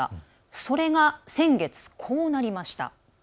それが、先月こうなりました。